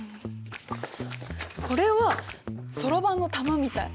これはそろばんの玉みたい。